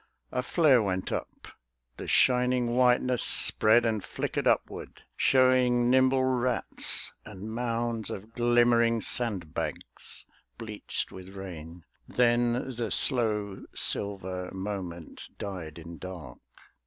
A flare went up; the shining whiteness spread And flickered upward, showing nimble rats, And mounds of glimmering sand bags, bleached with rain; Then the slow, silver moment died in dark.